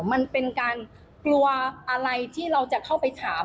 มันเป็นการกลัวอะไรที่เราจะเข้าไปถาม